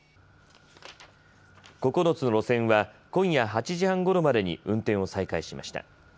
９つの路線は今夜８時半ごろまでに運転を再開しました。